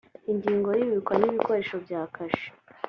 ingingo ya ibikwa n ikoreshwa bya kashe